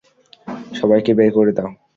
সবাইকে বের করে দাও!